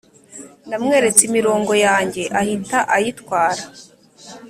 Namweretse imirongo yanjye ahita ayitwara